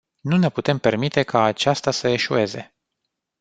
Nu ne putem permite ca aceasta să eșueze.